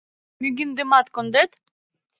— Мӱгиндымат кондет?